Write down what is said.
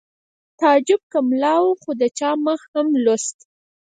تعجب که ملا و خو د چا مخ هم لوست